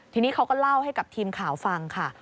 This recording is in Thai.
ทีนี้เขาก็เล่าให้กับทีมข่าวฟังค่ะ